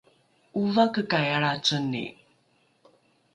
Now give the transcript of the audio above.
’ovakekai alraceni?